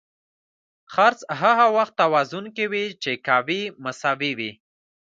څرخ هغه وخت توازن کې وي چې قوې مساوي وي.